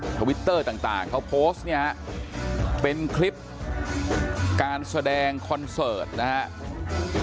ทวิตเตอร์ต่างเขาโพสต์เนี่ยฮะเป็นคลิปการแสดงคอนเสิร์ตนะครับ